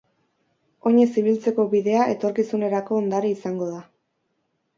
Oinez ibiltzeko bidea etorkizunerako ondore izango da.